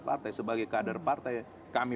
partai sebagai kader partai kami